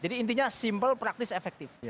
jadi intinya simple praktis efektif